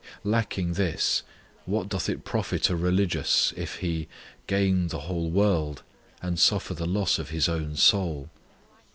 Lacking this, what doth it profit a religious if he " gain the whole world, and suffer the loss of his own soul?"